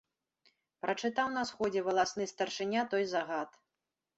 Прачытаў на сходзе валасны старшыня той загад.